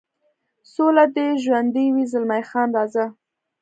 سوله دې ژوندی وي، زلمی خان: راځه.